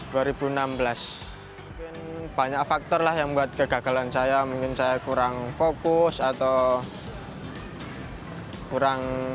mungkin banyak faktor lah yang buat kegagalan saya mungkin saya kurang fokus atau kurang